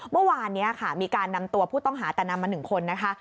เมื่อวานนี้ค่ะมีการนำตัวผู้ต้องหาแต่นำมา๑คนนะคะ